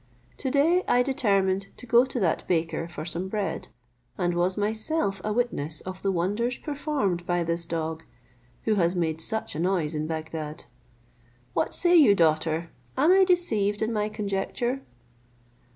To day I determined to go to that baker for some bread, and was myself a witness of the wonders performed by this dog, who has made such a noise in Bagdad. What say you, daughter, am I deceived in my conjecture?"